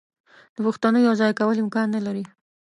د پښتونو یو ځای کول امکان نه لري.